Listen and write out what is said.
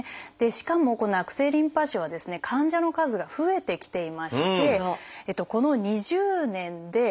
しかもこの悪性リンパ腫は患者の数が増えてきていましてこの２０年でおよそ３倍近くにまで。